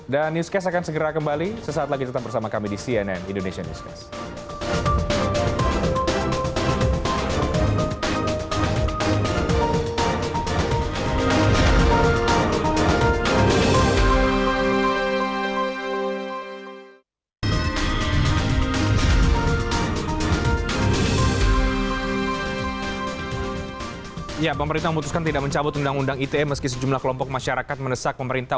dan newscast akan segera kembali sesaat lagi tetap bersama kami di cnn indonesian newscast